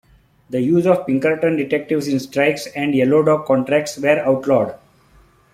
The use of Pinkerton detectives in strikes and yellow-dog contracts were outlawed.